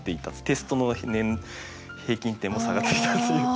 テストの平均点も下がっていたっていう。